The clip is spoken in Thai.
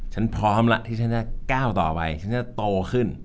ฉันพร้อมแล้วที่ฉันจะก้าวต่อไปฉันจะโตขึ้น